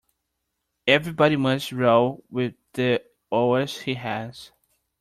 Everybody must row with the oars he has.